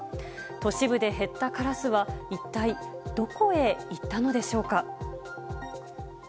都市部で減ったカラスは、一体どこへ行ったのでしょうか。